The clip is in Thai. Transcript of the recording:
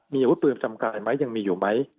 มีวุฒิปืนประจำกายไหมยังมีอยู่ไหม